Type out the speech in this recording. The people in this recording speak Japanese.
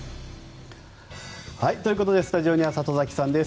ということでスタジオには里崎さんです。